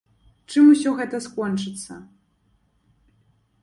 Чым усё гэта скончыцца?